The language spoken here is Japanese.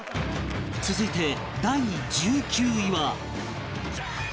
続いて第１９位は